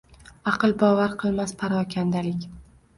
Аqlbovar qilmas parokandalik.